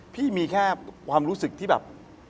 พี่มีแค่ความรู้สึกที่แบบ